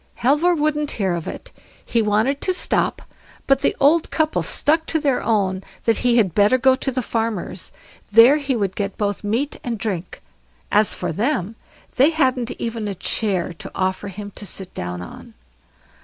Halvor wouldn't hear of it—he wanted to stop; but the old couple stuck to their own, that he had better go to the farmer's; there he would get both meat and drink; as for them, they hadn't even a chair to offer him to sit down on.